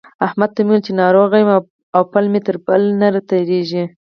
احمد ته مې وويل چې ناروغ يم او پل مې تر پله نه تېرېږي.